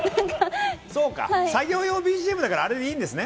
作業用ＢＧＭだから、あれでいいんですね。